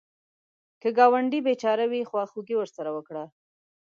که ګاونډی بېچاره وي، خواخوږي ورسره وکړه